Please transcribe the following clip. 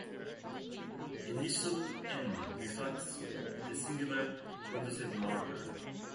Initial m reflects the singular relative marker.